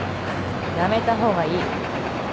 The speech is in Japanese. やめた方がいい。